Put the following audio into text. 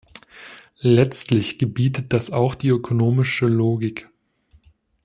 Letztlich gebietet das auch die ökonomische Logik.